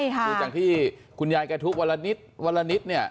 คือจากที่คุณยายแกทุบวันละนิดวันละนิดเนี่ย